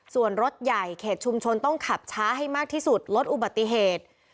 ส่วนรถใหญ่เขตชุมชนต้องขับช้าให้มากที่สุดลดอุบัติเหตุ